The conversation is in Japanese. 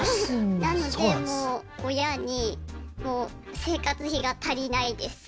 なのでもう親にもう生活費が足りないです。